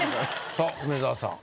さあ梅沢さん。